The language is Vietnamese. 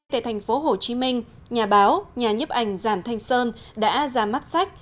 tại thành phố hồ chí minh nhà báo nhà nhếp ảnh giản thanh sơn đã ra mắt sách